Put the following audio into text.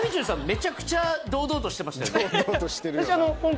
めちゃくちゃ堂々としてましたよね